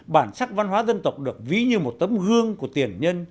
bản sắc văn hóa dân tộc được ví như một tấm gương của tiền nhân